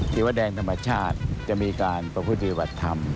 ถือว่าแดงธรรมชาติจะมีการประพฤติบัติธรรม